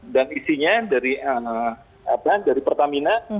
dan isinya dari pertamina